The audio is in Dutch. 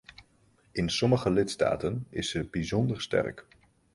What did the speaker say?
In sommige lidstaten is ze bijzonder sterk.